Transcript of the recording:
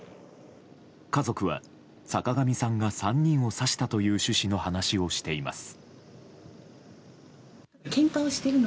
家族は坂上さんが３人を刺したという趣旨の話をしています。